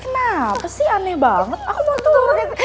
mami kenapa sih aneh banget aku mau turun